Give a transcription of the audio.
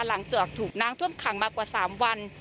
หลังเจือกถูกนางถูมขังมากกว่า๓วัน